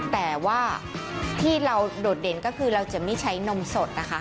แต่ว่าที่เราโดดเด่นก็คือเราจะไม่ใช้นมสดนะคะ